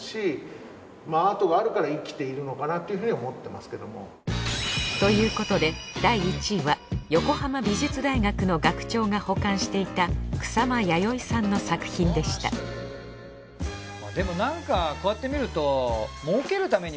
さすがですということで第１位は横浜美術大学の学長が保管していた草間彌生さんの作品でしたでもなんかこうやって見ると。